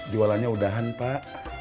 jualannya udahan pak